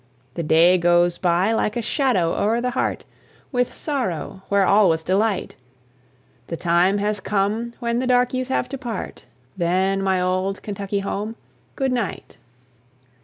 The day goes by like a shadow o'er the heart, With sorrow, where all was delight; The time has come when the darkeys have to part: Then my old Kentucky home, good night!